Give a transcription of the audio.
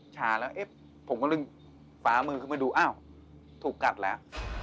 ชาแล้วเอ๊ะผมก็เลยฟ้ามือขึ้นมาดูอ้าวถูกกัดแล้ว